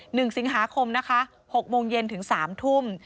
หนึ่งสิงหาคมนะคะหกโมงเย็นถึงสามทุ่ม